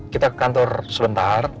kita ke kantor sebentar